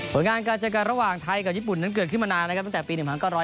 ผลงานการเจอกันระหว่างไทยกับญี่ปุ่นนั้นเกิดขึ้นมานานนะครับตั้งแต่ปี๑๙